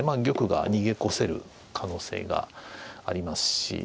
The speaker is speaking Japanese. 玉が逃げ越せる可能性がありますし。